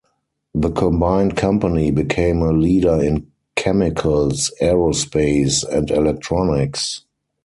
The combined company became a leader in chemicals, aerospace, and electronics.